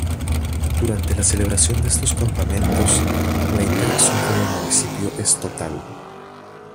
Durante la celebración de estos campamentos, la interacción con el municipio es total.